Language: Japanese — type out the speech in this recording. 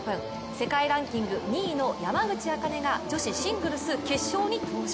世界ランキング２位の山口茜が女子シングルス決勝に登場。